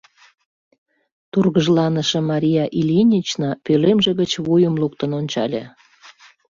Тургыжланыше Мария Ильинична пӧлемже гыч вуйым луктын ончале.